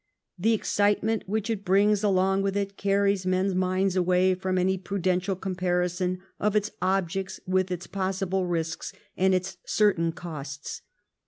The excitement which it brings along with it carries men's minds away from any pru dential comparison of its objects, with its possible risks and its certain costs.